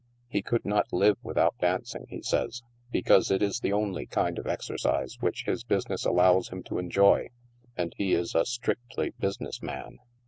He could not live without dancing, he says, because it is the only kind of exercise which his business allows him to enjoy, and he is a strict ly business man.